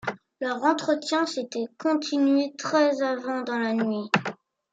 Leur entretien s’était continué très avant dans la nuit.